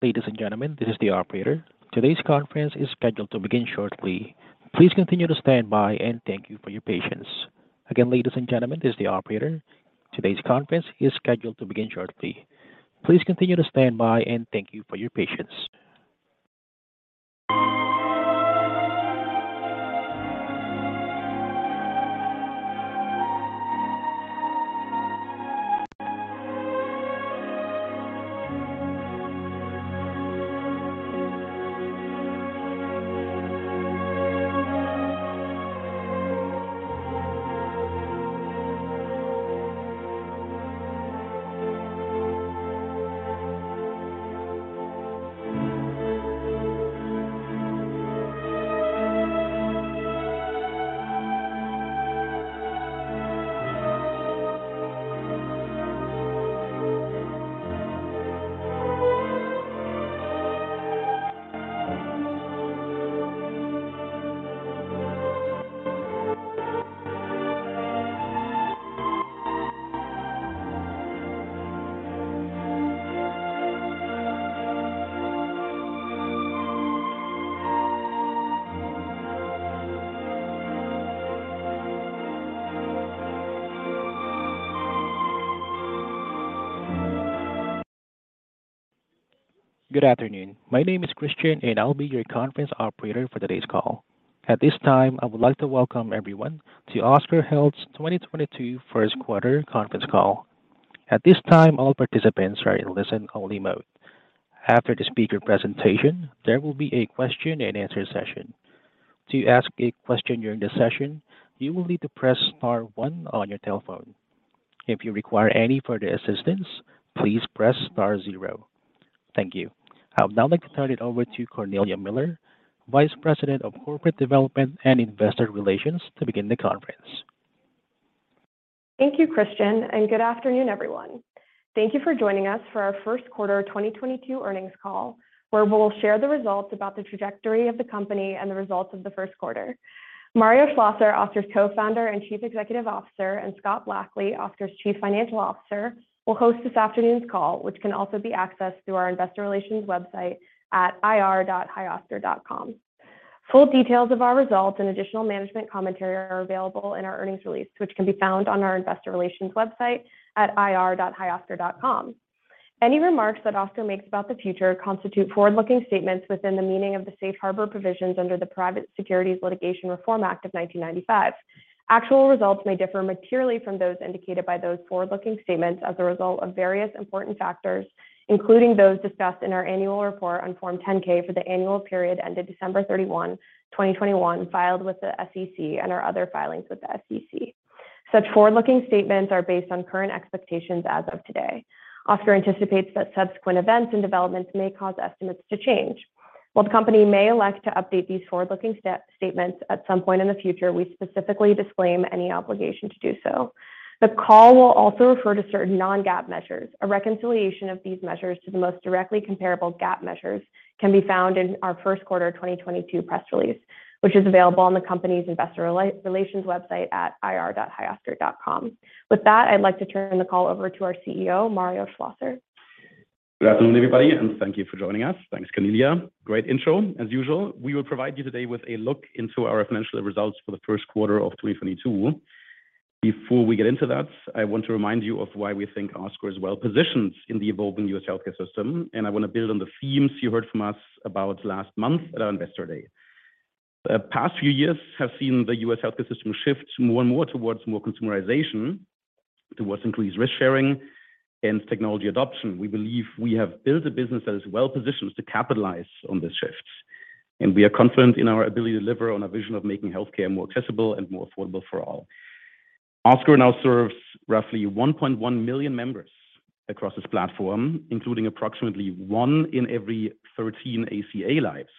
Ladies and gentlemen, this is the operator. Today's conference is scheduled to begin shortly. Please continue to stand by, and thank you for your patience. Again, ladies and gentlemen, this is the operator. Today's conference is scheduled to begin shortly. Please continue to stand by, and thank you for your patience. Good afternoon. My name is Christian, and I'll be your conference operator for today's call. At this time, I would like to welcome everyone to Oscar Health's 2022 Q1 conference call. At this time, all participants are in listen only mode. After the speaker presentation, there will be a question and answer session. To ask a question during the session, you will need to press star one on your telephone. If you require any further assistance, please press star zero. Thank you. I would now like to turn it over to Cornelia Miller, Vice President of Corporate Development and Investor Relations, to begin the conference. Thank you, Christian, and good afternoon, everyone. Thank you for joining us for our Q1 2022 earnings call, where we'll share the results about the trajectory of the company and the results of the Q1. Mario Schlosser, Oscar's co-founder and Chief Executive Officer, and Scott Blackley, Oscar's Chief Financial Officer, will host this afternoon's call, which can also be accessed through our investor relations website at ir.hioscar.com. Full details of our results and additional management commentary are available in our earnings release, which can be found on our investor relations website at ir.hioscar.com. Any remarks that Oscar makes about the future constitute forward-looking statements within the meaning of the Safe Harbor Provisions under the Private Securities Litigation Reform Act of 1995. Actual results may differ materially from those indicated by those forward-looking statements as a result of various important factors, including those discussed in our annual report on Form 10-K for the annual period ended December 31, 2021, filed with the SEC and our other filings with the SEC. Such forward-looking statements are based on current expectations as of today. Oscar anticipates that subsequent events and developments may cause estimates to change. While the company may elect to update these forward-looking statements at some point in the future, we specifically disclaim any obligation to do so. The call will also refer to certain non-GAAP measures. A reconciliation of these measures to the most directly comparable GAAP measures can be found in our Q1 2022 press release, which is available on the company's investor relations website at ir.hioscar.com. With that, I'd like to turn the call over to our CEO, Mario Schlosser. Good afternoon, everybody, and thank you for joining us. Thanks, Cornelia. Great intro as usual. We will provide you today with a look into our financial results for the Q1 of 2022. Before we get into that, I want to remind you of why we think Oscar is well positioned in the evolving U.S. healthcare system, and I want to build on the themes you heard from us about last month at our Investor Day. The past few years have seen the U.S. healthcare system shift more and more towards more consumerization, towards increased risk sharing, and technology adoption. We believe we have built a business that is well positioned to capitalize on these shifts, and we are confident in our ability to deliver on our vision of making healthcare more accessible and more affordable for all. Oscar now serves roughly 1.1 million members across this platform, including approximately one in every 13 ACA lives,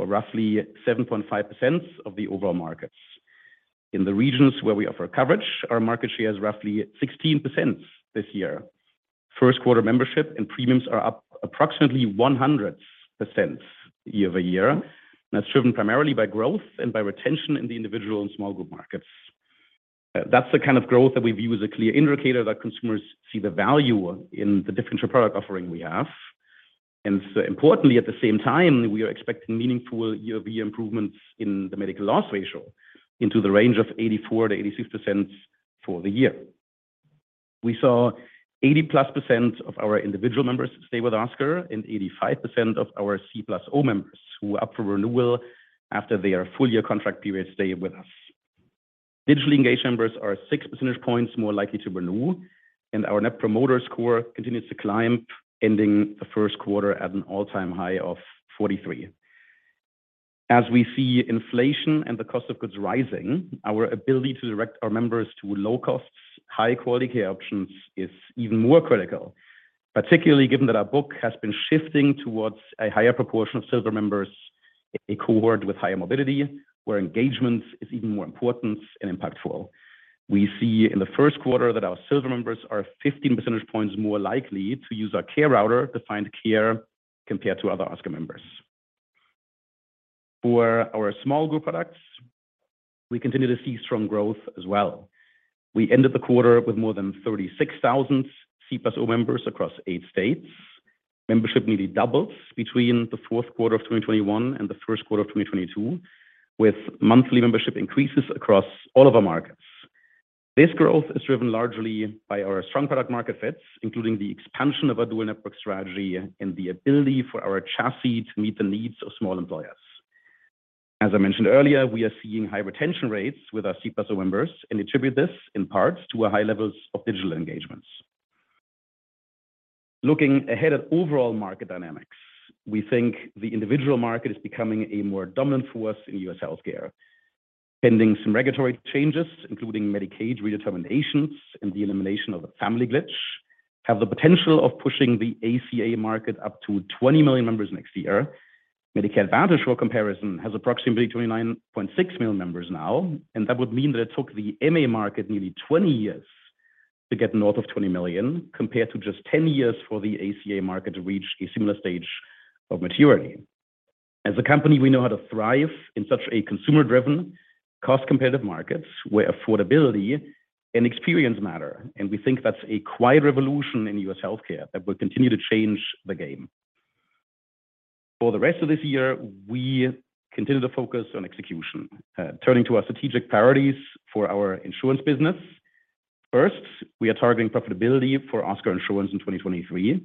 or roughly 7.5% of the overall markets. In the regions where we offer coverage, our market share is roughly 16% this year. Q1 membership and premiums are up approximately 100% year-over-year, and that's driven primarily by growth and by retention in the individual and small group markets. That's the kind of growth that we view as a clear indicator that consumers see the value in the differential product offering we have. Importantly, at the same time, we are expecting meaningful year-over-year improvements in the medical loss ratio into the range of 84%-86% for the year. We saw 80+% of our individual members stay with Oscar, and 85% of our C+O members who are up for renewal after their full year contract period stay with us. Digitally engaged members are 6 percentage points more likely to renew, and our net promoter score continues to climb, ending the Q1 at an all-time high of 43. As we see inflation and the cost of goods rising, our ability to direct our members to low costs, high-quality care options is even more critical, particularly given that our book has been shifting towards a higher proportion of Silver members, a cohort with higher mobility, where engagement is even more important and impactful. We see in the Q1 that our silver members are 15 percentage points more likely to use our Care Router to find care compared to other Oscar members. For our small group products, we continue to see strong growth as well. We ended the quarter with more than 36,000 C+O members across 8 states. Membership nearly doubled between the Q4 of 2021 and the Q1 of 2022, with monthly membership increases across all of our markets. This growth is driven largely by our strong product market fits, including the expansion of our dual network strategy and the ability for our chassis to meet the needs of small employers. As I mentioned earlier, we are seeing high retention rates with our C+O members and attribute this in part to our high levels of digital engagements. Looking ahead at overall market dynamics, we think the individual market is becoming a more dominant force in U.S. healthcare. Pending some regulatory changes, including Medicaid redeterminations and the elimination of the family glitch, have the potential of pushing the ACA market up to 20 million members next year. Medicare Advantage, for comparison, has approximately 29.6 million members now, and that would mean that it took the MA market nearly 20 years to get north of 20 million, compared to just 10 years for the ACA market to reach a similar stage of maturity. As a company, we know how to thrive in such a consumer-driven, cost-competitive markets where affordability and experience matter, and we think that's a quiet revolution in U.S. healthcare that will continue to change the game. For the rest of this year, we continue to focus on execution. Turning to our strategic priorities for our insurance business. First, we are targeting profitability for Oscar insurance in 2023.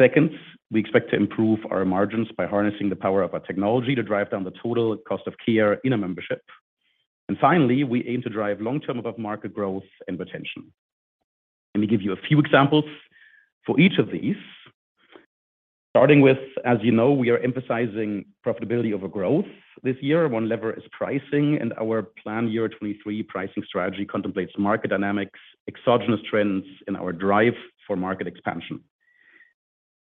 Second, we expect to improve our margins by harnessing the power of our technology to drive down the total cost of care in a membership. Finally, we aim to drive long-term above-market growth and retention. Let me give you a few examples for each of these. Starting with, as you know, we are emphasizing profitability over growth this year. One lever is pricing, and our plan year 2023 pricing strategy contemplates market dynamics, exogenous trends, and our drive for market expansion.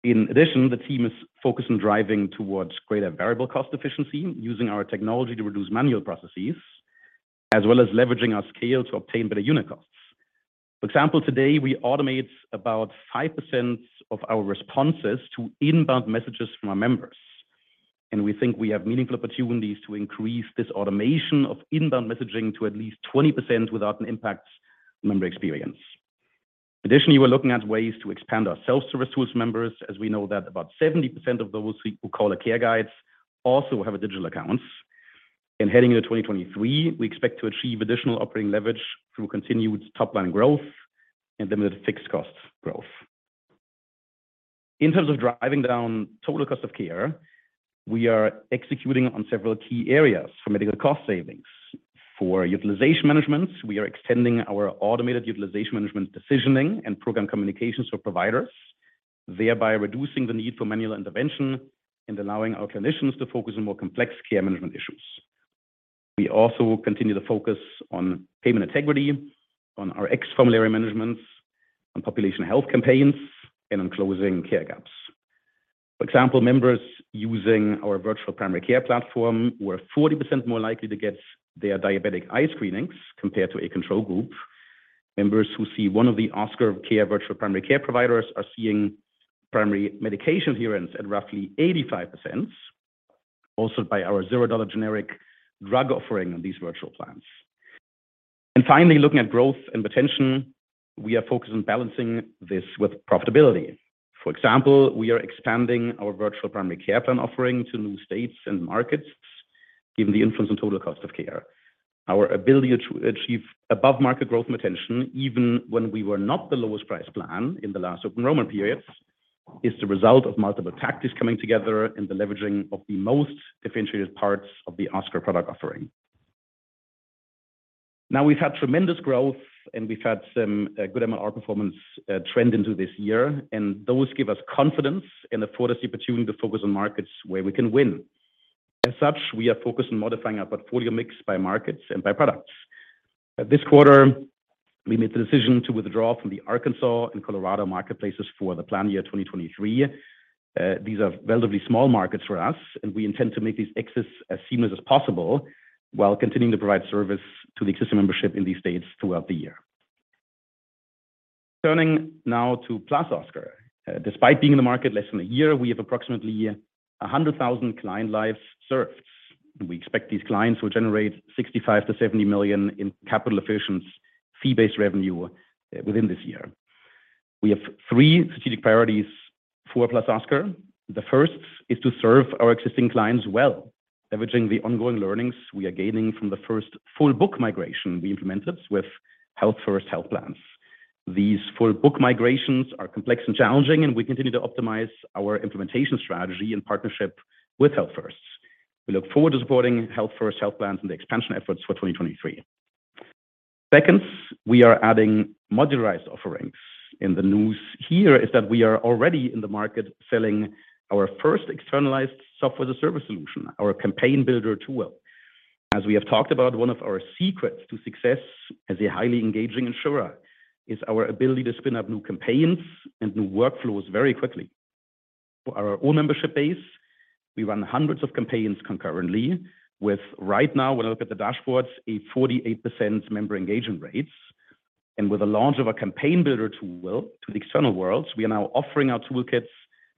In addition, the team is focused on driving towards greater variable cost efficiency using our technology to reduce manual processes, as well as leveraging our scale to obtain better unit costs. For example, today we automate about 5% of our responses to inbound messages from our members, and we think we have meaningful opportunities to increase this automation of inbound messaging to at least 20% without impacting member experience. Additionally, we're looking at ways to expand our self-service tools for members, as we know that about 70% of those who call our care guides also have a digital account. Heading into 2023, we expect to achieve additional operating leverage through continued top-line growth and limited fixed cost growth. In terms of driving down total cost of care, we are executing on several key areas for medical cost savings. For utilization management, we are extending our automated utilization management decisioning and program communications for providers, thereby reducing the need for manual intervention and allowing our clinicians to focus on more complex care management issues. We also continue to focus on payment integrity, on our ex-formulary management, on population health campaigns, and on closing care gaps. For example, members using our virtual primary care platform were 40% more likely to get their diabetic eye screenings compared to a control group. Members who see one of the Oscar Care virtual primary care providers are seeing primary medication adherence at roughly 85%, also by our $0 generic drug offering on these virtual plans. Finally, looking at growth and retention, we are focused on balancing this with profitability. For example, we are expanding our virtual primary care plan offering to new states and markets, given the influence on total cost of care. Our ability to achieve above-market growth and retention, even when we were not the lowest price plan in the last open enrollment periods, is the result of multiple tactics coming together and the leveraging of the most differentiated parts of the Oscar product offering. Now we've had tremendous growth, and we've had some good MLR performance trend into this year, and those give us confidence and afford us the opportunity to focus on markets where we can win. As such, we are focused on modifying our portfolio mix by markets and by products. This quarter, we made the decision to withdraw from the Arkansas and Colorado marketplaces for the plan year 2023. These are relatively small markets for us, and we intend to make these exits as seamless as possible while continuing to provide service to the existing membership in these states throughout the year. Turning now to +Oscar. Despite being in the market less than a year, we have approximately 100,000 client lives served. We expect these clients will generate $65 million-$70 million in capital efficient fee-based revenue, within this year. We have three strategic priorities for +Oscar. The first is to serve our existing clients well, leveraging the ongoing learnings we are gaining from the first full book migration we implemented with Health First Health Plans. These full book migrations are complex and challenging, and we continue to optimize our implementation strategy in partnership with Health First. We look forward to supporting Health First Health Plans and the expansion efforts for 2023. Second, we are adding modularized offerings, and the news here is that we are already in the market selling our first externalized software-as-a-service solution, our Campaign Builder tool. As we have talked about, one of our secrets to success as a highly engaging insurer is our ability to spin up new campaigns and new workflows very quickly. For our own membership base, we run hundreds of campaigns concurrently with, right now, when I look at the dashboards, a 48% member engagement rate. With the launch of our Campaign Builder tool to the external world, we are now offering our toolkits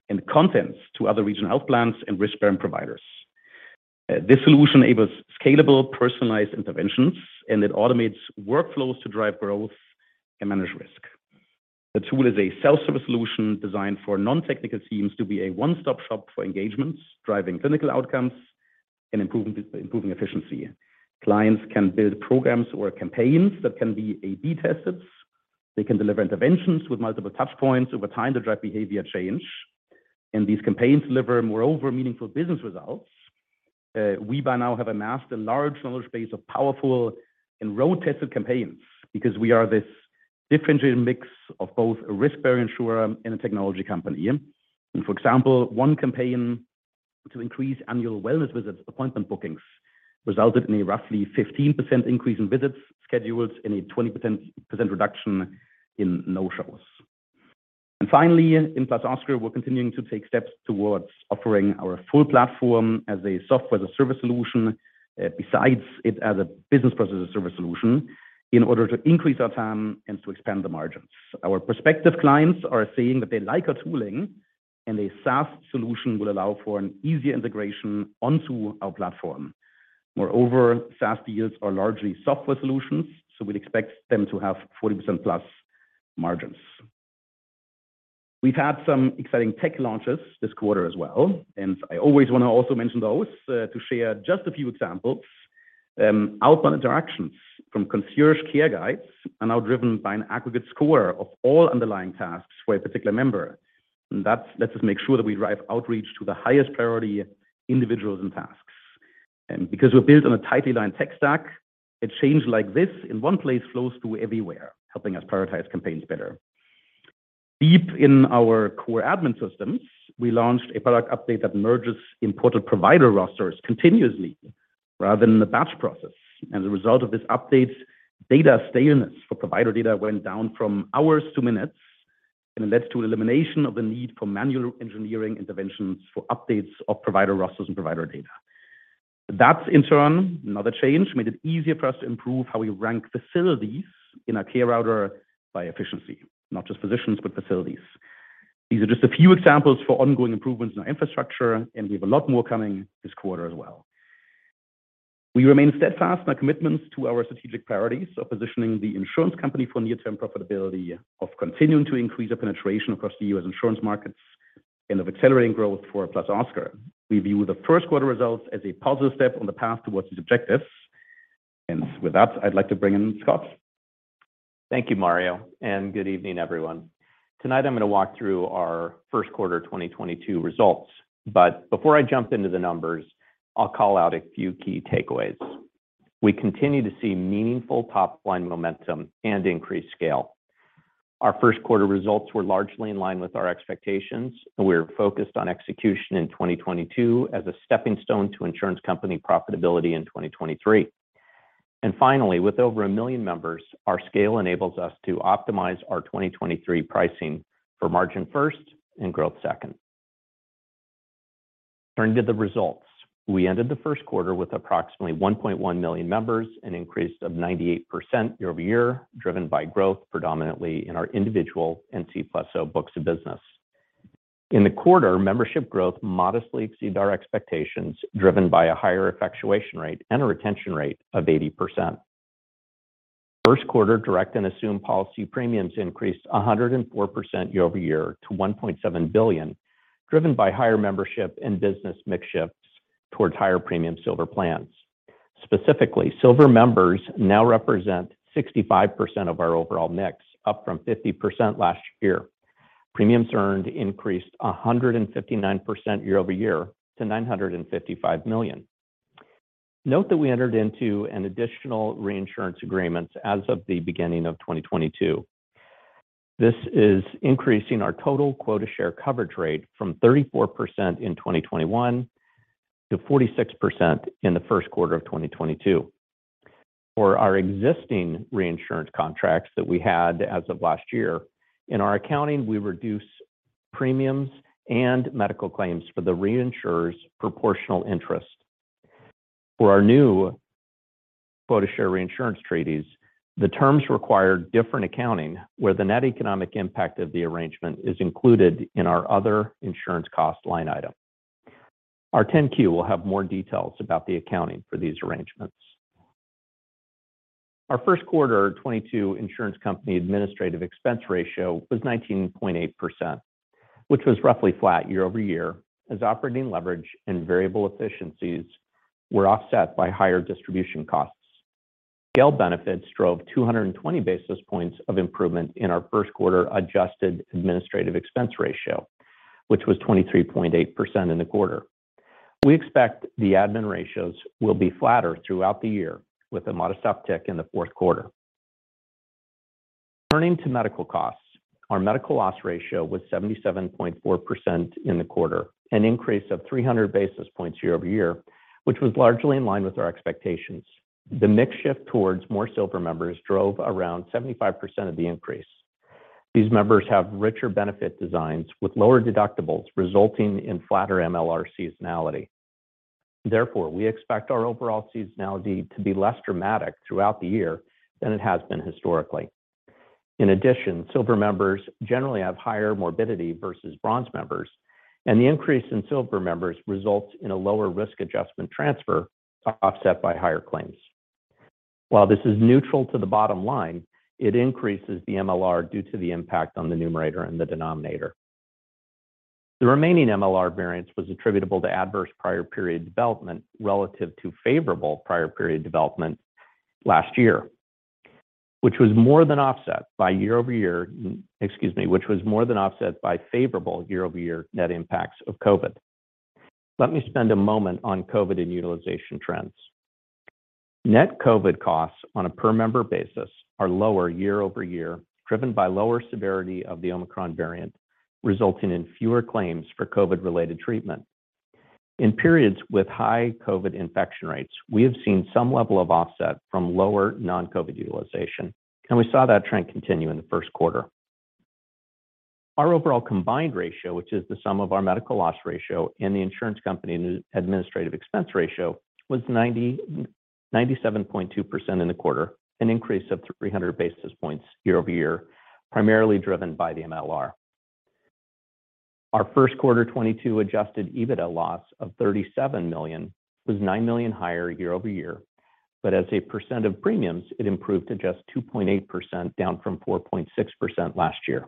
and contents to other regional health plans and risk-bearing providers. This solution enables scalable, personalized interventions, and it automates workflows to drive growth and manage risk. The tool is a self-service solution designed for non-technical teams to be a one-stop shop for engagements, driving clinical outcomes, and improving efficiency. Clients can build programs or campaigns that can be A/B tested. They can deliver interventions with multiple touch points over time to drive behavior change, and these campaigns deliver, moreover, meaningful business results. We by now have amassed a large knowledge base of powerful and road-tested campaigns because we are this differentiated mix of both a risk-bearing insurer and a technology company. For example, one campaign to increase annual wellness visits appointment bookings resulted in a roughly 15% increase in visits scheduled and a 20% reduction in no-shows. Finally, in +Oscar, we're continuing to take steps towards offering our full platform as a software-as-a-service solution, besides it as a business process as a service solution in order to increase our TAM and to expand the margins. Our prospective clients are saying that they like our tooling, and a SaaS solution will allow for an easier integration onto our platform. Moreover, SaaS deals are largely software solutions, so we'd expect them to have 40%+ margins. We've had some exciting tech launches this quarter as well, and I always want to also mention those, to share just a few examples. Outbound interactions from concierge care guides are now driven by an aggregate score of all underlying tasks for a particular member. That lets us make sure that we drive outreach to the highest priority individuals and tasks. Because we're built on a tightly aligned tech stack, a change like this in one place flows through everywhere, helping us prioritize campaigns better. Deep in our core admin systems, we launched a product update that merges imported provider rosters continuously rather than in a batch process. As a result of this update, data staleness for provider data went down from hours to minutes and it leads to elimination of the need for manual engineering interventions for updates of provider rosters and provider data. That in turn, another change, made it easier for us to improve how we rank facilities in our Care Router by efficiency, not just physicians, but facilities. These are just a few examples for ongoing improvements in our infrastructure, and we have a lot more coming this quarter as well. We remain steadfast in our commitments to our strategic priorities of positioning the insurance company for near-term profitability, of continuing to increase our penetration across the U.S. insurance markets, and of accelerating growth for +Oscar. We view the Q1 results as a positive step on the path towards these objectives. With that, I'd like to bring in Scott. Thank you, Mario, and good evening, everyone. Tonight, I'm going to walk through our Q1 2022 results. Before I jump into the numbers, I'll call out a few key takeaways. We continue to see meaningful top-line momentum and increased scale. Our Q1 results were largely in line with our expectations, and we're focused on execution in 2022 as a stepping stone to insurance company profitability in 2023. Finally, with over 1 million members, our scale enables us to optimize our 2023 pricing for margin first and growth second. Turning to the results. We ended the Q1 with approximately 1.1 million members, an increase of 98% year-over-year, driven by growth predominantly in our individual and C+O books of business. In the quarter, membership growth modestly exceeded our expectations, driven by a higher effectuation rate and a retention rate of 80%. Q1 direct and assumed policy premiums increased 104% year-over-year to $1.7 billion, driven by higher membership and business mix shifts towards higher premium Silver plans. Specifically, Silver members now represent 65% of our overall mix, up from 50% last year. Premiums earned increased 159% year-over-year to $955 million. Note that we entered into an additional reinsurance agreement as of the beginning of 2022. This is increasing our total quota share coverage rate from 34% in 2021 to 46% in the Q1 of 2022. For our existing reinsurance contracts that we had as of last year, in our accounting, we reduce premiums and medical claims for the reinsurer's proportional interest. For our new quota share reinsurance treaties, the terms require different accounting, where the net economic impact of the arrangement is included in our other insurance cost line item. Our 10-Q will have more details about the accounting for these arrangements. Our Q1 2022 insurance company administrative expense ratio was 19.8%, which was roughly flat year-over-year as operating leverage and variable efficiencies were offset by higher distribution costs. Scale benefits drove 220 basis points of improvement in our Q1 adjusted administrative expense ratio, which was 23.8% in the quarter. We expect the admin ratios will be flatter throughout the year, with a modest uptick in the Q4. Turning to medical costs. Our medical loss ratio was 77.4% in the quarter, an increase of 300 basis points year-over-year, which was largely in line with our expectations. The mix shift towards more Silver members drove around 75% of the increase. These members have richer benefit designs with lower deductibles, resulting in flatter MLR seasonality. Therefore, we expect our overall seasonality to be less dramatic throughout the year than it has been historically. In addition, Silver members generally have higher morbidity versus Bronze members, and the increase in Silver members results in a lower risk adjustment transfer offset by higher claims. While this is neutral to the bottom line, it increases the MLR due to the impact on the numerator and the denominator. The remaining MLR variance was attributable to adverse prior period development relative to favorable prior period development last year, which was more than offset by favorable year-over-year net impacts of COVID. Let me spend a moment on COVID and utilization trends. Net COVID costs on a per member basis are lower year-over-year, driven by lower severity of the Omicron variant, resulting in fewer claims for COVID-related treatment. In periods with high COVID infection rates, we have seen some level of offset from lower non-COVID utilization, and we saw that trend continue in the Q1. Our overall combined ratio, which is the sum of our medical loss ratio and the insurance company administrative expense ratio, was 97.2% in the quarter, an increase of 300 basis points year-over-year, primarily driven by the MLR. Our Q1 2022 adjusted EBITDA loss of $37 million was $9 million higher year-over-year. As a percent of premiums, it improved to just 2.8%, down from 4.6% last year.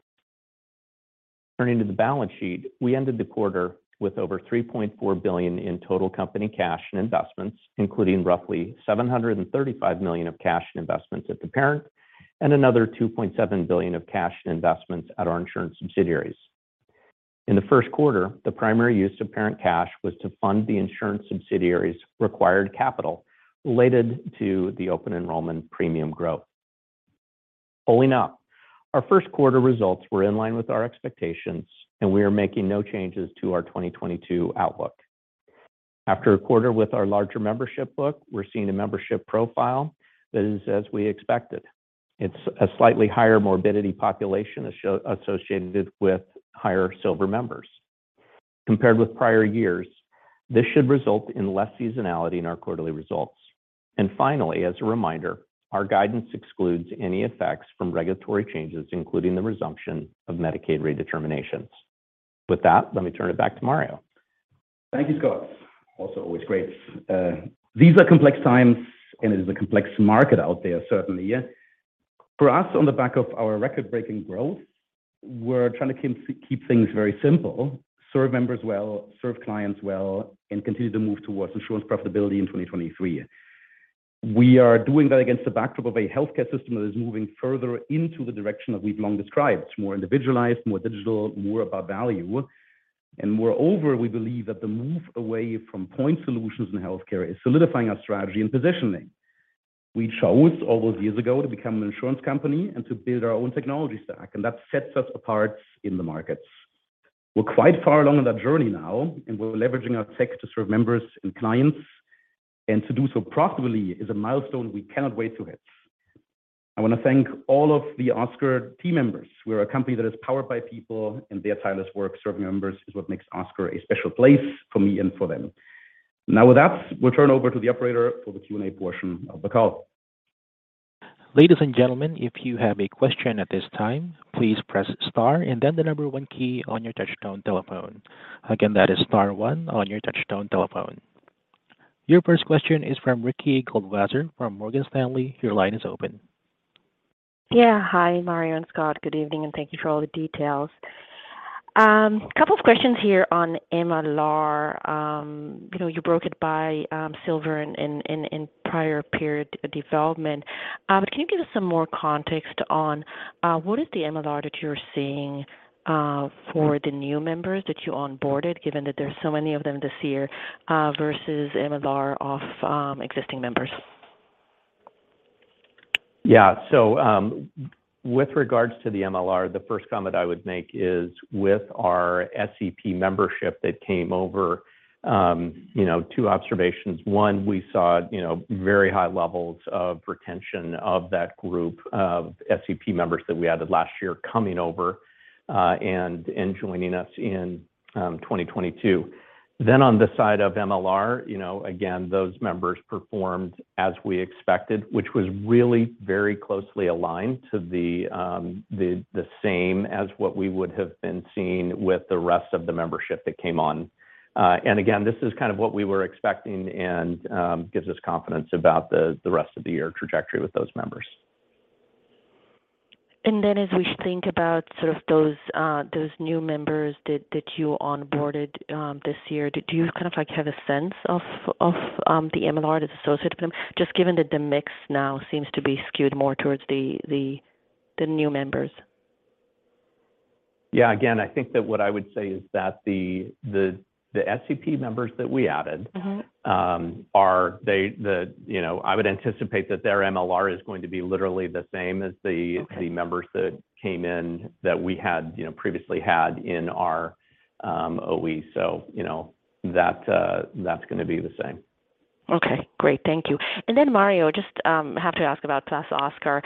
Turning to the balance sheet, we ended the quarter with over $3.4 billion in total company cash and investments, including roughly $735 million of cash and investments at the parent, and another $2.7 billion of cash and investments at our insurance subsidiaries. In the Q1, the primary use of parent cash was to fund the insurance subsidiaries required capital related to the open enrollment premium growth. Pulling up, our Q1 results were in line with our expectations, and we are making no changes to our 2022 outlook. After a quarter with our larger membership book, we're seeing a membership profile that is as we expected. It's a slightly higher morbidity population associated with higher silver members. Compared with prior years, this should result in less seasonality in our quarterly results. Finally, as a reminder, our guidance excludes any effects from regulatory changes, including the resumption of Medicaid redeterminations. With that, let me turn it back to Mario. Thank you, Scott. Also, always great. These are complex times, and it is a complex market out there, certainly. For us, on the back of our record-breaking growth, we're trying to keep things very simple, serve members well, serve clients well, and continue to move towards insurance profitability in 2023. We are doing that against the backdrop of a healthcare system that is moving further into the direction that we've long described. It's more individualized, more digital, more about value. Moreover, we believe that the move away from point solutions in healthcare is solidifying our strategy and positioning. We chose all those years ago to become an insurance company and to build our own technology stack, and that sets us apart in the markets. We're quite far along in that journey now, and we're leveraging our tech to serve members and clients. To do so profitably is a milestone we cannot wait to hit. I want to thank all of the Oscar team members. We're a company that is powered by people, and their tireless work serving members is what makes Oscar a special place for me and for them. Now with that, we'll turn over to the operator for the Q&A portion of the call. Ladies and gentlemen, if you have a question at this time, please press star and then the number one key on your touchtone telephone. Again, that is star one on your touchtone telephone. Your first question is from Ricky Goldwasser from Morgan Stanley. Your line is open. Yeah. Hi, Mario and Scott. Good evening, and thank you for all the details. Couple of questions here on MLR. You know, you broke it by silver and prior period development. But can you give us some more context on what is the MLR that you're seeing for the new members that you onboarded, given that there's so many of them this year, versus MLR of existing members? Yeah. With regards to the MLR, the first comment I would make is with our SEP membership that came over, you know, two observations. One, we saw, you know, very high levels of retention of that group of SEP members that we added last year coming over, and joining us in 2022. On the side of MLR, you know, again, those members performed as we expected, which was really very closely aligned to the same as what we would have been seeing with the rest of the membership that came on. Again, this is kind of what we were expecting and gives us confidence about the rest of the year trajectory with those members. As we think about sort of those new members that you onboarded this year, do you kind of like have a sense of the MLR that's associated with them? Just given that the mix now seems to be skewed more towards the new members. Yeah. Again, I think that what I would say is that the SEP members that we added. Mm-hmm You know, I would anticipate that their MLR is going to be literally the same as the Okay the members that came in that we had, you know, previously had in our OE. You know, that's gonna be the same. Okay, great. Thank you. Mario, just have to ask about +Oscar.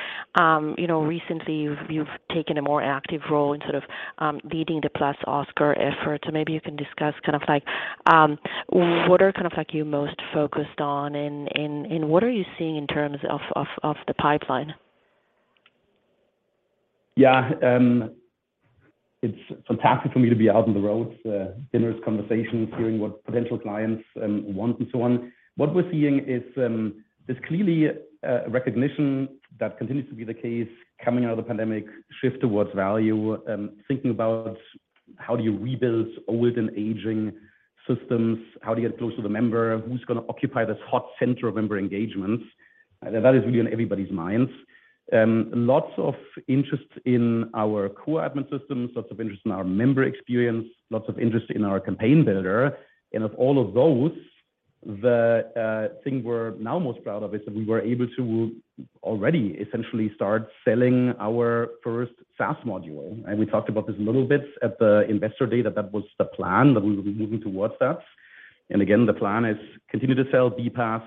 You know, recently you've taken a more active role in sort of leading the +Oscar effort. Maybe you can discuss kind of like what are kind of like you most focused on and what are you seeing in terms of the pipeline? Yeah. It's fantastic for me to be out on the roads, dinners, conversations, hearing what potential clients want and so on. What we're seeing is, this clearly a recognition that continues to be the case coming out of the pandemic, shift towards value, thinking about how do you rebuild old and aging systems, how do you get close to the member, who's gonna occupy this hot center of member engagement. That is really on everybody's minds. Lots of interest in our core admin systems, lots of interest in our member experience, lots of interest in our Campaign Builder. Of all of those, the thing we're now most proud of is that we were able to already essentially start selling our first SaaS module. We talked about this a little bit at the Investor Day, that that was the plan, that we would be moving towards that. Again, the plan is continue to sell BPaaS,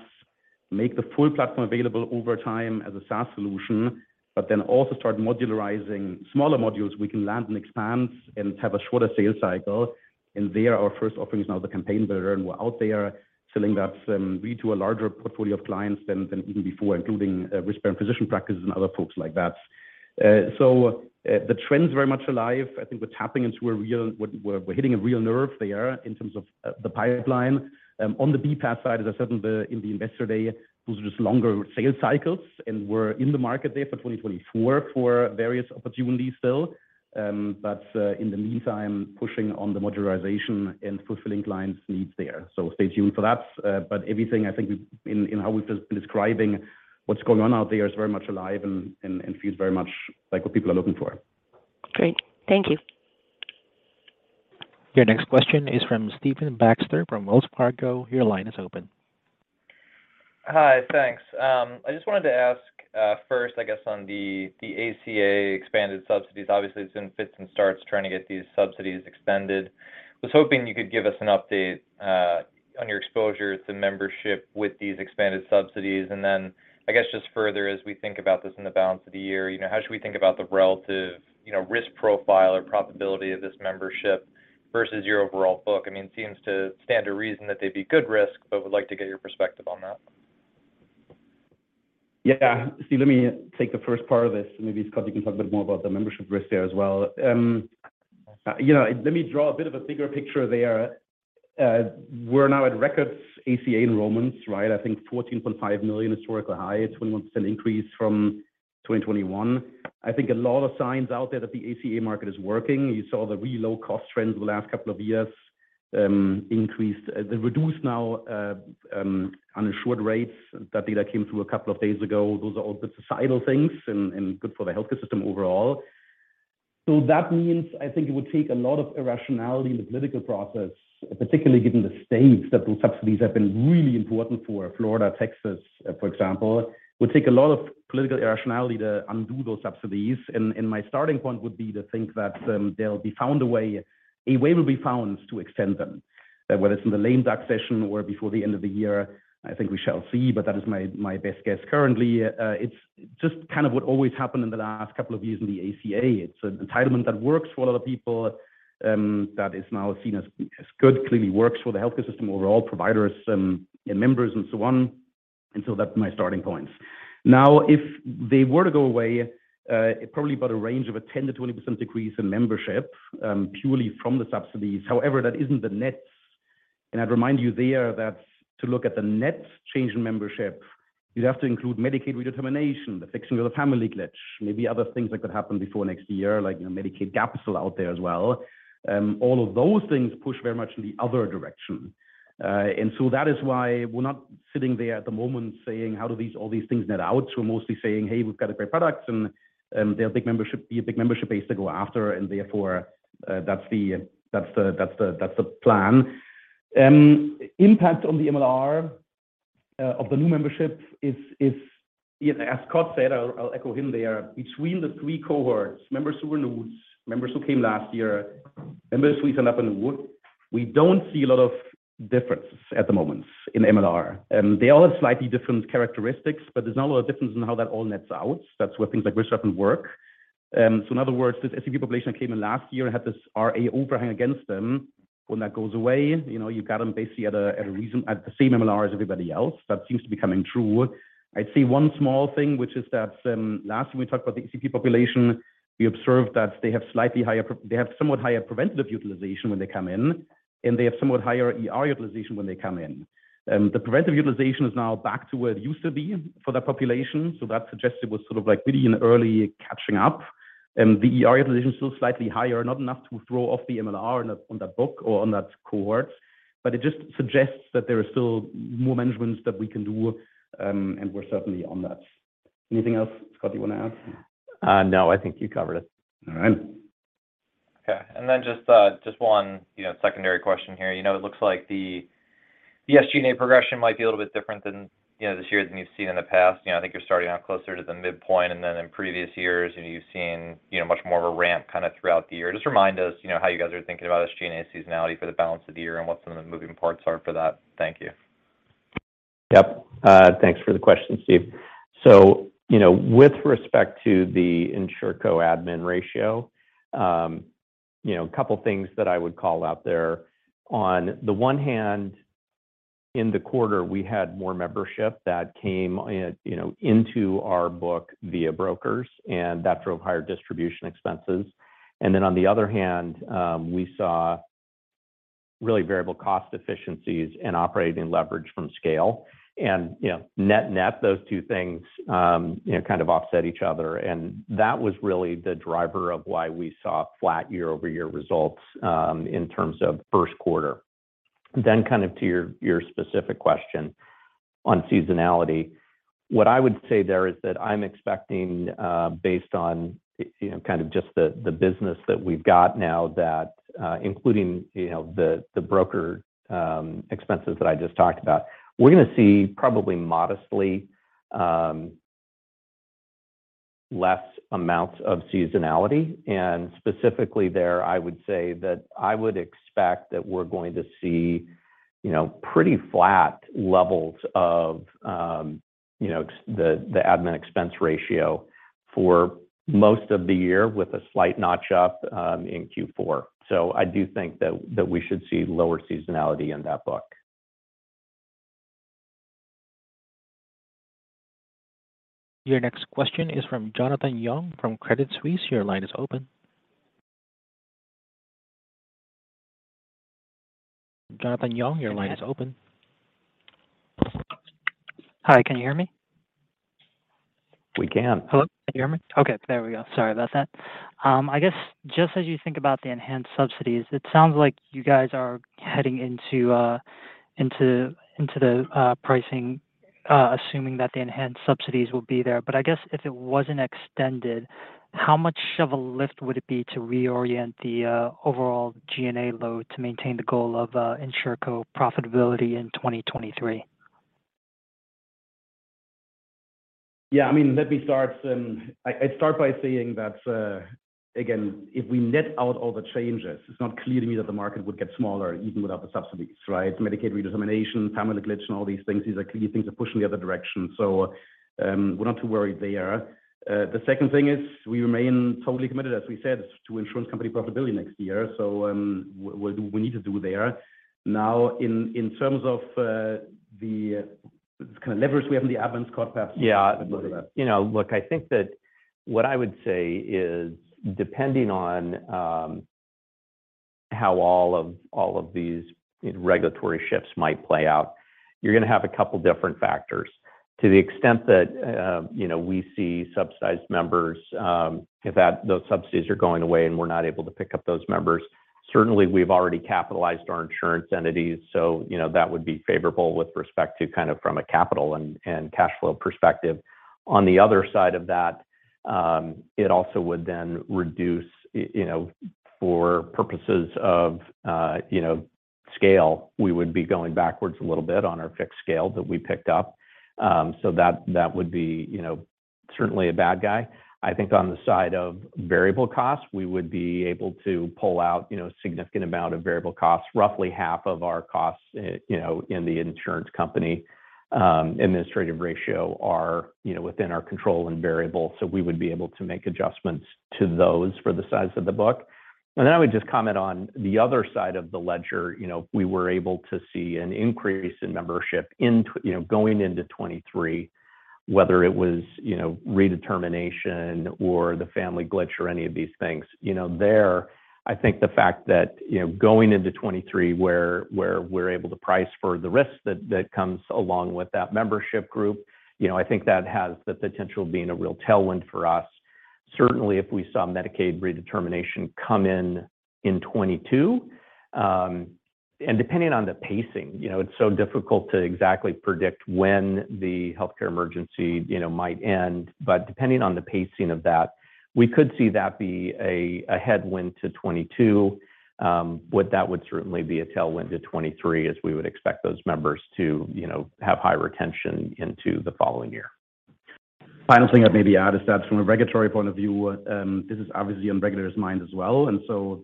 make the full platform available over time as a SaaS solution, but then also start modularizing smaller modules we can land and expand and have a shorter sales cycle. There, our first offering is now the Campaign Builder, and we're out there selling that, really to a larger portfolio of clients than even before, including risk-bearing physician practices and other folks like that. The trend's very much alive. I think we're hitting a real nerve there in terms of the pipeline. On the BPaaS side, as I said in the Investor Day, those are just longer sales cycles, and we're in the market there for 2024 for various opportunities still. In the meantime, pushing on the modularization and fulfilling clients' needs there. Stay tuned for that. Everything I think in how we've just been describing what's going on out there is very much alive and feels very much like what people are looking for. Great. Thank you. Your next question is from Stephen Baxter from Wells Fargo. Your line is open. Hi. Thanks. I just wanted to ask first, I guess on the ACA expanded subsidies. Obviously, it's been fits and starts trying to get these subsidies extended. Was hoping you could give us an update on your exposure to membership with these expanded subsidies. I guess just further, as we think about this in the balance of the year, you know, how should we think about the relative, you know, risk profile or profitability of this membership versus your overall book? I mean, it seems to stand to reason that they'd be good risk, but would like to get your perspective on that. Yeah. Steve, let me take the first part of this, and maybe, Scott, you can talk a bit more about the membership risk there as well. You know, let me draw a bit of a bigger picture there. We're now at record ACA enrollments, right? I think 14.5 million, historical high, 21% increase from 2021. I think a lot of signs out there that the ACA market is working. You saw the really low cost trends over the last couple of years, they reduced now uninsured rates. That data came through a couple of days ago. Those are all good societal things and good for the healthcare system overall. That means, I think it would take a lot of irrationality in the political process, particularly given the states that those subsidies have been really important for, Florida, Texas, for example. It would take a lot of political irrationality to undo those subsidies. My starting point would be to think that a way will be found to extend them. Whether it's in the lame duck session or before the end of the year, I think we shall see, but that is my best guess currently. It's just kind of what always happened in the last couple of years in the ACA. It's an entitlement that works for a lot of people, that is now seen as good, clearly works for the healthcare system overall, providers, and members and so on. That's my starting point. Now, if they were to go away, probably about a range of a 10%-20% decrease in membership, purely from the subsidies. However, that isn't the net. I'd remind you there that to look at the net change in membership, you'd have to include Medicaid redetermination, the fixing of the family glitch, maybe other things like that happen before next year, like, you know, Medicaid gap is still out there as well. All of those things push very much in the other direction. That is why we're not sitting there at the moment saying, "How do these, all these things net out?" We're mostly saying, "Hey, we've got a great product, and, there'll be a big membership base to go after," and therefore, that's the plan. Impact on the MLR of the new membership is, you know, as Scott said, I'll echo him there. Between the three cohorts, members who were new, members who came last year, members who we signed up, we don't see a lot of difference at the moment in MLR. They all have slightly different characteristics, but there's not a lot of difference in how that all nets out. That's where things like risk-adjusted work. So in other words, this ACP population that came in last year had this RA overhang against them. When that goes away, you know, you got them basically at the same MLR as everybody else. That seems to be coming true. I'd say one small thing, which is that last time we talked about the ACP population, we observed that they have somewhat higher preventative utilization when they come in, and they have somewhat higher ER utilization when they come in. The preventive utilization is now back to where it used to be for that population. That suggests it was sort of like really an early catching up. The ER utilization is still slightly higher, not enough to throw off the MLR on that book or on that cohort, but it just suggests that there are still more managements that we can do, and we're certainly on that. Anything else, Scott, you wanna add? No. I think you covered it. All right. Okay. Just one, you know, secondary question here. You know, it looks like the SG&A progression might be a little bit different than, you know, this year than you've seen in the past. You know, I think you're starting out closer to the midpoint, and then in previous years, you know, you've seen, you know, much more of a ramp kinda throughout the year. Just remind us, you know, how you guys are thinking about SG&A seasonality for the balance of the year and what some of the moving parts are for that. Thank you. Yep. Thanks for the question, Stephen. You know, with respect to the Insurco admin ratio, you know, a couple things that I would call out there. On the one hand, in the quarter, we had more membership that came, you know, into our book via brokers, and that drove higher distribution expenses. Then on the other hand, we saw really variable cost efficiencies and operating leverage from scale. You know, net-net, those two things, you know, kind of offset each other. That was really the driver of why we saw flat year-over-year results, in terms of Q1. Kind of to your specific question on seasonality, what I would say there is that I'm expecting, based on, you know, the business that we've got now that, including, you know, the broker expenses that I just talked about, we're gonna see probably modestly less amounts of seasonality. Specifically there, I would say that I would expect that we're going to see, you know, pretty flat levels of, you know, the admin expense ratio for most of the year with a slight notch up in Q4. I do think that we should see lower seasonality in that book. Your next question is from Jonathan Yong from Credit Suisse. Your line is open. Jonathan Yong, your line is open. Hi. Can you hear me? We can. Hello? Can you hear me? Okay, there we go. Sorry about that. I guess just as you think about the enhanced subsidies, it sounds like you guys are heading into the pricing, assuming that the enhanced subsidies will be there. I guess if it wasn't extended, how much of a lift would it be to reorient the overall G&A load to maintain the goal of Insurco profitability in 2023? Yeah. I mean, I'd start by saying that, again, if we net out all the changes, it's not clear to me that the market would get smaller even without the subsidies, right? Medicaid redetermination, family glitch, and all these things, these are clearly things that push in the other direction. We're not too worried there. The second thing is we remain totally committed, as we said, to insurance company profitability next year. We need to do there. Now in terms of, the kind of levers we have in the admin score, perhaps. Yeah. You know, look, I think that what I would say is depending on how all of these regulatory shifts might play out, you're gonna have a couple different factors. To the extent that you know, we see subsidized members, if those subsidies are going away and we're not able to pick up those members, certainly we've already capitalized our insurance entities, so you know, that would be favorable with respect to kind of from a capital and cash flow perspective. On the other side of that, it also would then reduce you know, for purposes of scale, we would be going backwards a little bit on our fixed scale that we picked up, so that would be you know, certainly a bad guy. I think on the side of variable costs, we would be able to pull out, you know, a significant amount of variable costs. Roughly half of our costs, you know, in the insurance company, administrative ratio are, you know, within our control and variable. We would be able to make adjustments to those for the size of the book. I would just comment on the other side of the ledger, you know, we were able to see an increase in membership into you know, going into 2023, whether it was, you know, redetermination or the family glitch or any of these things. You know, I think the fact that, you know, going into 2023, where we're able to price for the risk that comes along with that membership group, you know, I think that has the potential of being a real tailwind for us. Certainly, if we saw Medicaid redetermination come in in 2022, and depending on the pacing, you know, it's so difficult to exactly predict when the healthcare emergency, you know, might end. Depending on the pacing of that, we could see that be a headwind to 2022, but that would certainly be a tailwind to 2023 as we would expect those members to, you know, have high retention into the following year. Final thing I'd maybe add is that from a regulatory point of view, this is obviously on regulators' mind as well.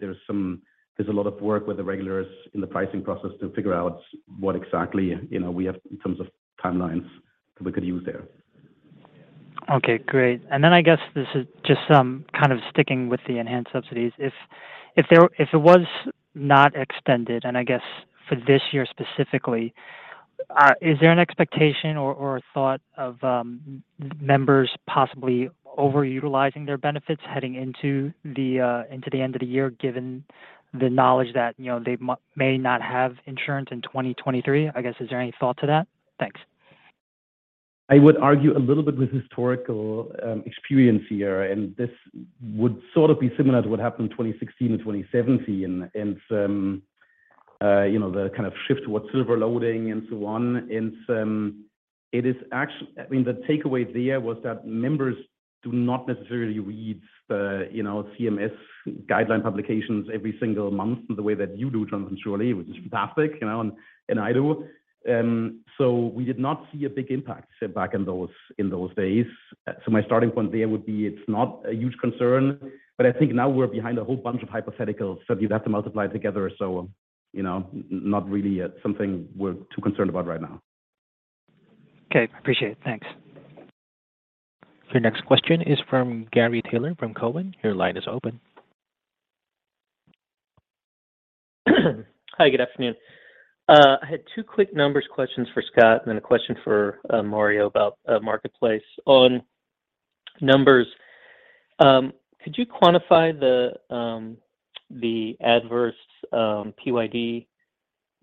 There's a lot of work with the regulators in the pricing process to figure out what exactly, you know, we have in terms of timelines that we could use there. Okay, great. I guess this is just kind of sticking with the enhanced subsidies. If it was not extended, and I guess for this year specifically, is there an expectation or a thought of members possibly over-utilizing their benefits heading into the end of the year given the knowledge that, you know, they may not have insurance in 2023? I guess, is there any thought to that? Thanks. I would argue a little bit with historical experience here, and this would sort of be similar to what happened in 2016 and 2017. You know, the kind of shift towards silver loading and so on. I mean, the takeaway there was that members do not necessarily read the, you know, CMS guideline publications every single month the way that you do, Jonathan, surely, which is fantastic, you know, and I do. We did not see a big impact back in those days. My starting point there would be it's not a huge concern, but I think now we're behind a whole bunch of hypotheticals that you'd have to multiply together. You know, not really something we're too concerned about right now. Okay. Appreciate it. Thanks. Your next question is from Gary Taylor from Cowen. Your line is open. Hi, good afternoon. I had two quick numbers questions for Scott, and then a question for Mario about marketplace. On numbers, could you quantify the adverse PYD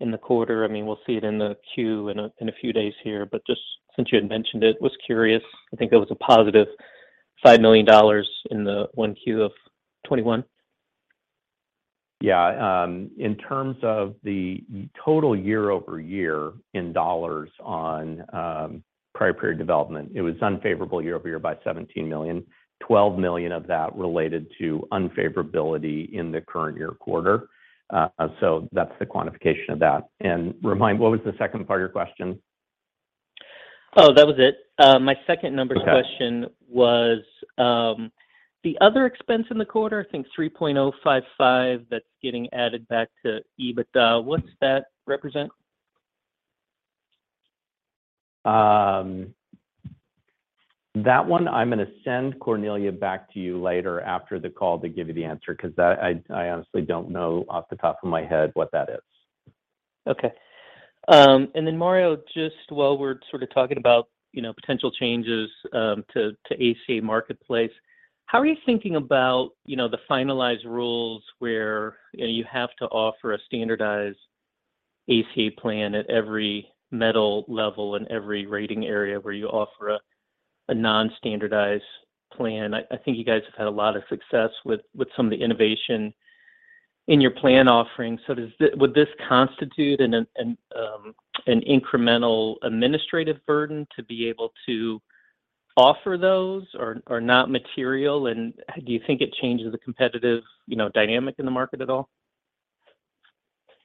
in the quarter? I mean, we'll see it in the 10-Q in a few days here, but just since you had mentioned it, was curious. I think there was a positive $5 million in the 1Q of 2021. Yeah. In terms of the total year-over-year in dollars on prior period development, it was unfavorable year-over-year by $17 million. $12 million of that related to unfavorability in the current year quarter. So that's the quantification of that. Remind me, what was the second part of your question? Oh, that was it. My second number. Okay. The question was, the other expense in the quarter, I think $3.055, that's getting added back to EBITDA. What's that represent? That one I'm gonna send Cornelia back to you later after the call to give you the answer, 'cause that I honestly don't know off the top of my head what that is. Okay. Mario, just while we're sort of talking about, you know, potential changes to ACA Marketplace, how are you thinking about, you know, the finalized rules where, you know, you have to offer a standardized ACA plan at every metal level in every rating area where you offer a non-standardized plan? I think you guys have had a lot of success with some of the innovation in your plan offerings, so would this constitute an incremental administrative burden to be able to offer those or not material, and do you think it changes the competitive, you know, dynamic in the market at all?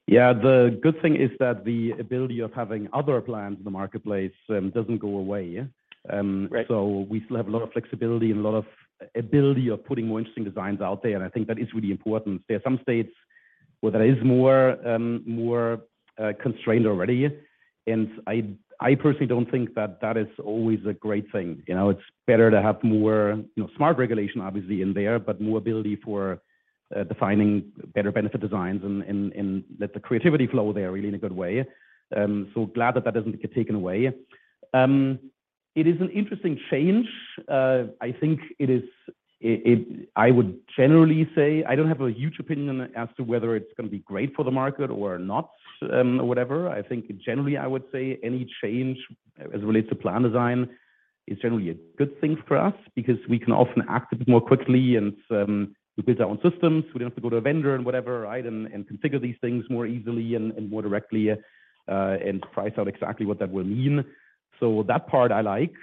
Yeah. The good thing is that the ability of having other plans in the marketplace doesn't go away, yeah. Right. We still have a lot of flexibility and a lot of ability of putting more interesting designs out there, and I think that is really important. There are some states where there is more constraint already, and I personally don't think that is always a great thing. You know? It's better to have more smart regulation obviously in there, but more ability for defining better benefit designs and let the creativity flow there really in a good way. Glad that doesn't get taken away. It is an interesting change. I think it is. I would generally say I don't have a huge opinion as to whether it's gonna be great for the market or not, or whatever. I think generally I would say any change as it relates to plan design is generally a good thing for us, because we can often act a bit more quickly and with our own systems. We don't have to go to a vendor and whatever, right, and configure these things more easily and more directly, and price out exactly what that will mean. That part I like.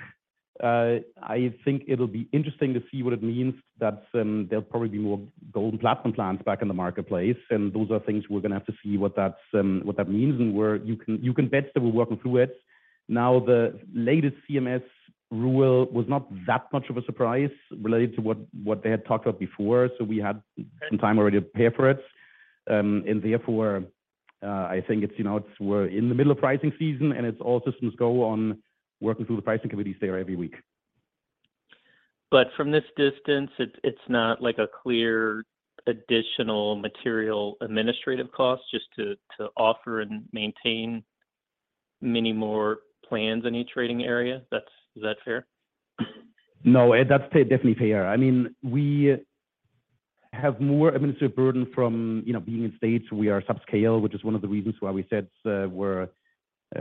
I think it'll be interesting to see what it means that there'll probably be more gold and platinum plans back in the marketplace, and those are things we're gonna have to see what that means and where you can bet that we're working through it. Now, the latest CMS rule was not that much of a surprise related to what they had talked of before, so we had some time already to prepare for it. Therefore, I think it's, you know, we're in the middle of pricing season, and it's all systems go on working through the pricing committees there every week. From this distance, it's not like a clear additional material administrative cost just to offer and maintain many more plans in each rating area? Is that fair? No, that's definitely fair. I mean, we have more administrative burden from, you know, being in states where we are sub-scale, which is one of the reasons why we said, we're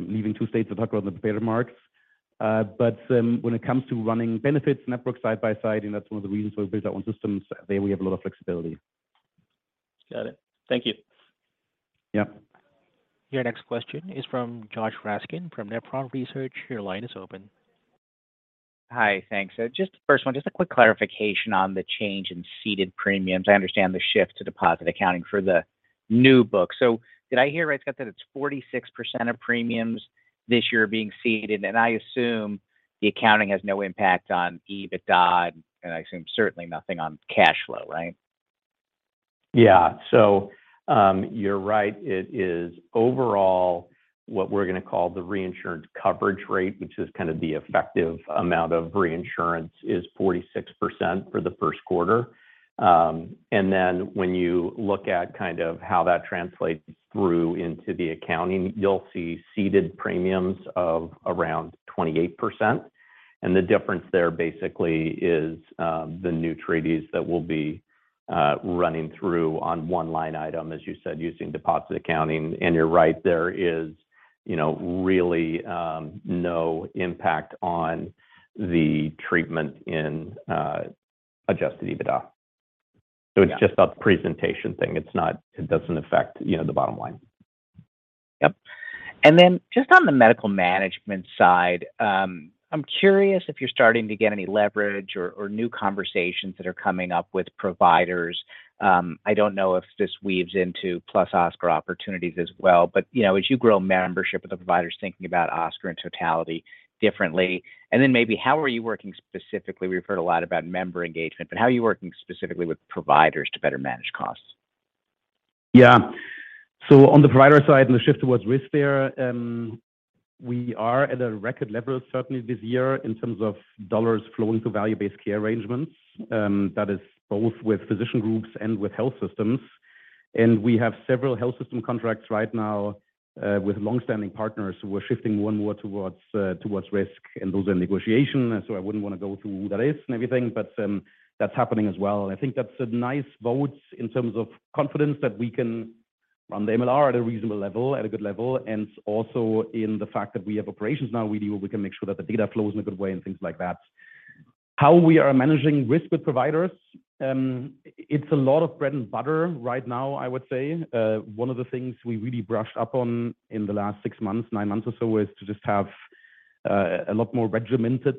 leaving two states we talked about in the prepared remarks. When it comes to running benefits network side by side, and that's one of the reasons why we built our own systems. There we have a lot of flexibility. Got it. Thank you. Yeah. Your next question is from Josh Raskin from Nephron Research. Your line is open. Hi. Thanks. Just the first one, just a quick clarification on the change in ceded premiums. I understand the shift to deposit accounting for the new book. Did I hear right, Scott, that it's 46% of premiums this year being ceded? I assume the accounting has no impact on EBITDA, and I assume certainly nothing on cash flow, right? Yeah. You're right. It is overall what we're gonna call the reinsurance coverage rate, which is kind of the effective amount of reinsurance, is 46% for the Q1. And then when you look at kind of how that translates through into the accounting, you'll see ceded premiums of around 28%, and the difference there basically is the new treaties that we'll be running through on one line item, as you said, using deposit accounting. You're right. There is, you know, really no impact on the treatment in adjusted EBITDA. Yeah. It's just a presentation thing. It doesn't affect, you know, the bottom line. Yep. Just on the medical management side, I'm curious if you're starting to get any leverage or new conversations that are coming up with providers. I don't know if this weaves into +Oscar opportunities as well but, you know, as you grow membership, are the providers thinking about Oscar in totality differently? Maybe how are you working specifically? We've heard a lot about member engagement, but how are you working specifically with providers to better manage costs? Yeah. On the provider side and the shift towards risk there, we are at a record level certainly this year in terms of dollars flowing to value-based care arrangements, that is both with physician groups and with health systems. We have several health system contracts right now, with long-standing partners who are shifting more and more towards risk, and those are negotiations. I wouldn't wanna go through who that is and everything, but that's happening as well. I think that's a nice vote in terms of confidence that we can run the MLR at a reasonable level, at a good level, and also in the fact that we have operations now, we can make sure that the data flows in a good way and things like that. How we are managing risk with providers, it's a lot of bread and butter right now, I would say. One of the things we really brushed up on in the last six months, nine months or so, is to just have a lot more regimented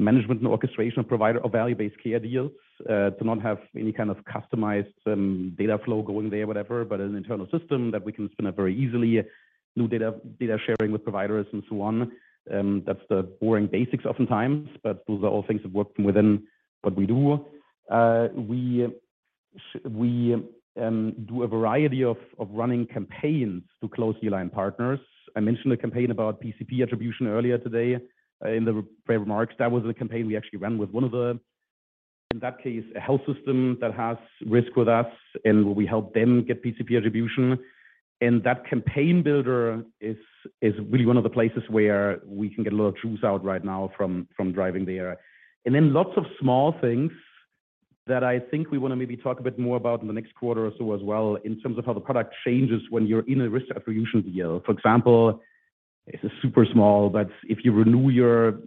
management and orchestration provider or value-based care deals, to not have any kind of customized data flow going there, whatever, but an internal system that we can spin up very easily, new data sharing with providers and so on. That's the boring basics oftentimes, but those are all things that work from within what we do. We do a variety of running campaigns to close aligned partners. I mentioned a campaign about PCP attribution earlier today in the pre-remarks. That was a campaign we actually ran with one of the... In that case, a health system that has risk with us, and we help them get PCP attribution. That Campaign Builder is really one of the places where we can get a lot of truths out right now from driving there. Lots of small things that I think we wanna maybe talk a bit more about in the next quarter or so as well in terms of how the product changes when you're in a risk attribution deal. For example, it's super small, but if you renew your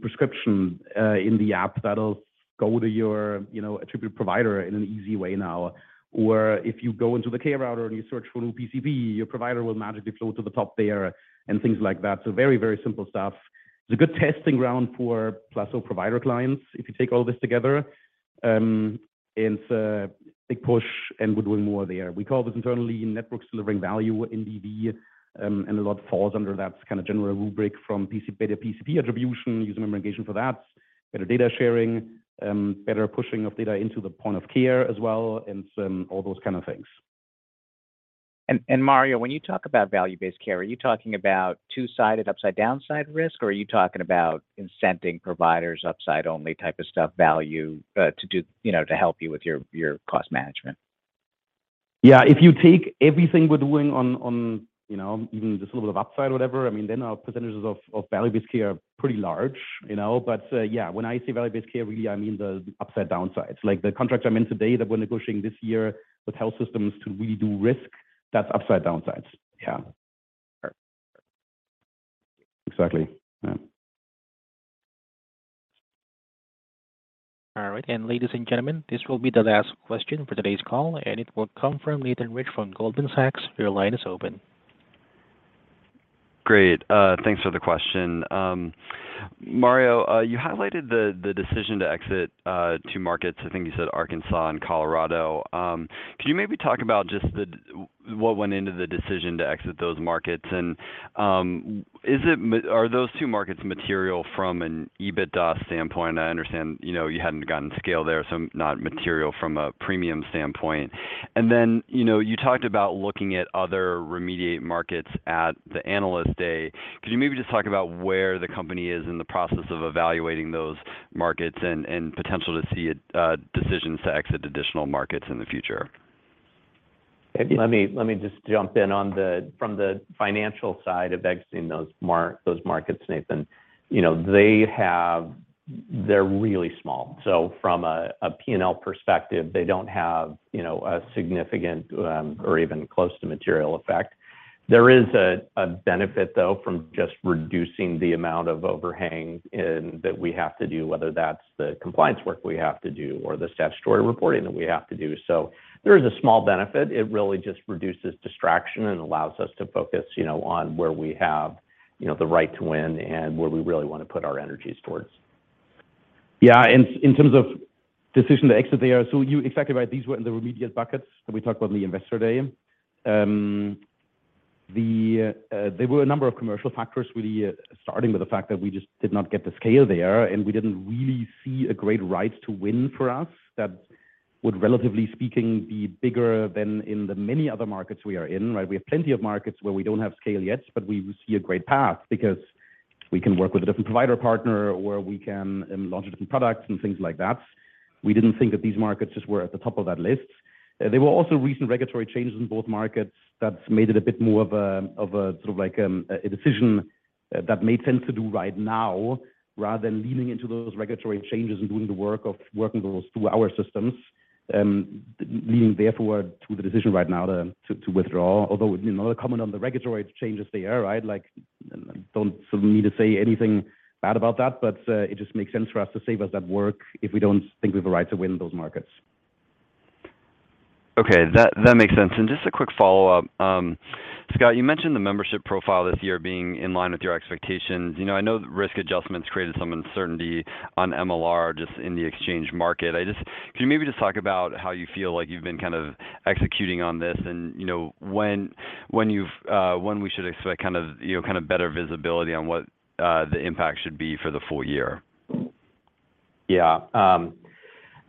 prescription in the app, that'll go to your, you know, attributed provider in an easy way now. Or if you go into the Care Router and you search for new PCP, your provider will magically float to the top there and things like that. Very, very simple stuff. It's a good testing ground for +Oscar provider clients if you take all this together. It's a big push and we're doing more there. We call this internally networks delivering value, NDV, and a lot falls under that kind of general rubric from better PCP attribution, user memorization for that, better data sharing, better pushing of data into the point of care as well, and all those kind of things. Mario, when you talk about value-based care, are you talking about two-sided upside downside risk, or are you talking about incenting providers upside only type of stuff value to do, you know, to help you with your cost management? Yeah. If you take everything we're doing on, you know, even just a little bit of upside or whatever, I mean, then our percentages of value-based care are pretty large, you know. Yeah, when I say value-based care, really, I mean the upside and downsides. Like, the contracts I mentioned today that we're negotiating this year with health systems to really do risk, that's upside and downsides. Yeah. All right. Exactly. Yeah. All right. Ladies and gentlemen, this will be the last question for today's call, and it will come from Nathan Rich from Goldman Sachs. Your line is open. Great. Thanks for the question. Mario, you highlighted the decision to exit two markets. I think you said Arkansas and Colorado. Could you maybe talk about just what went into the decision to exit those markets? Are those two markets material from an EBITDA standpoint? I understand, you know, you hadn't gotten scale there, so not material from a premium standpoint. You talked about looking at other remediate markets at the Analyst Day. Could you maybe just talk about where the company is in the process of evaluating those markets and potential to see a decision to exit additional markets in the future? Let me just jump in on the financial side of exiting those markets, Nathan. You know, they’re really small. So from a P&L perspective, they don’t have, you know, a significant or even close to material effect. There is a benefit, though, from just reducing the amount of overhang that we have to do, whether that’s the compliance work we have to do or the statutory reporting that we have to do. So there is a small benefit. It really just reduces distraction and allows us to focus, you know, on where we have, you know, the right to win and where we really wanna put our energies towards. Yeah. In terms of decision to exit there, you're exactly right. These were in the remediate buckets that we talked about in the Investor Day. There were a number of commercial factors really starting with the fact that we just did not get the scale there, and we didn't really see a great right to win for us that would, relatively speaking, be bigger than in the many other markets we are in, right? We have plenty of markets where we don't have scale yet, but we see a great path because we can work with a different provider partner, or we can launch different products and things like that. We didn't think that these markets just were at the top of that list. There were also recent regulatory changes in both markets that made it a bit more of a sort of like a decision that made sense to do right now rather than leaning into those regulatory changes and doing the work of working those through our systems, leading therefore to the decision right now to withdraw. Although, you know, comment on the regulatory changes there, right? Like, don't sort of need to say anything bad about that, but it just makes sense for us to save us that work if we don't think we have a right to win those markets. Okay. That makes sense. Just a quick follow-up. Scott, you mentioned the membership profile this year being in line with your expectations. You know, I know risk adjustments created some uncertainty on MLR just in the exchange market. Can you maybe just talk about how you feel like you've been kind of executing on this and, you know, when we should expect kind of, you know, kind of better visibility on what the impact should be for the full year? Yeah.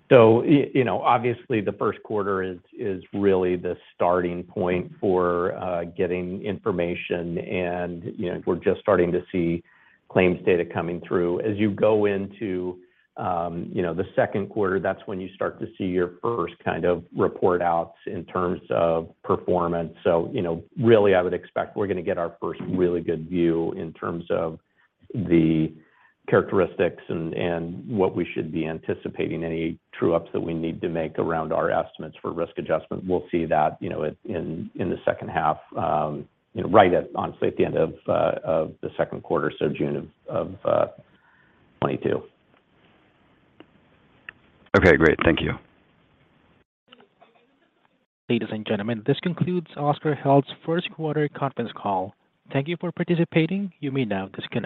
You know, obviously the Q1 is really the starting point for getting information and, you know, we're just starting to see claims data coming through. As you go into, you know, the Q2, that's when you start to see your first kind of report outs in terms of performance. You know, really I would expect we're gonna get our first really good view in terms of the characteristics and what we should be anticipating. Any true ups that we need to make around our estimates for risk adjustment, we'll see that, you know, in the second half, you know, right at, honestly, at the end of the Q2, so June of 2022. Okay. Great. Thank you. Ladies and gentlemen, this concludes Oscar Health's Q1 conference call. Thank you for participating. You may now disconnect.